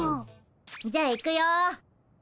じゃあ行くよ。